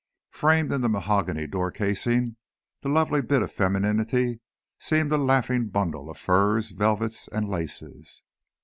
Framed in the mahogany door casing, the lovely bit of femininity seemed a laughing bundle of furs, velvets, and laces.